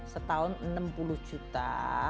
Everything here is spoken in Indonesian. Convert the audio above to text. setahun enam puluh juta